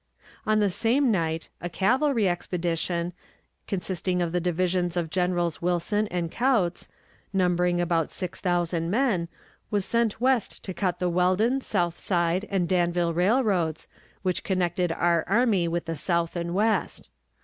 On the same night, a cavalry expedition, consisting of the divisions of Generals Wilson and Kautz, numbering about six thousand men, was sent west to cut the Weldon, Southside, and Danville Railroads, which connected our army with the south and west.